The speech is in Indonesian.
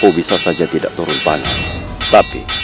untuk adanya dition toleran sekali lagi